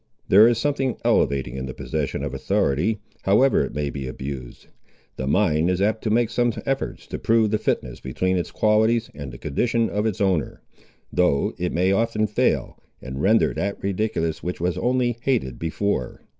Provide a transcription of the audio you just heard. There is something elevating in the possession of authority, however it may be abused. The mind is apt to make some efforts to prove the fitness between its qualities and the condition of its owner, though it may often fail, and render that ridiculous which was only hated before.